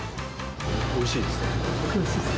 おいしいですね。